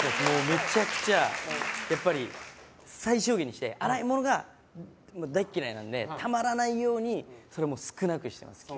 めちゃくちゃ最小限にして洗い物が大嫌いなのでたまらないようにそれも少なくしてます。